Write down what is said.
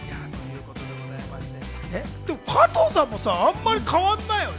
加藤さんもあんまり変わんないよね。